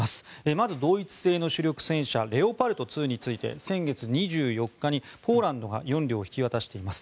まずドイツ製の主力戦車レオパルト２について先月２４日にポーランドが４両引き渡しています。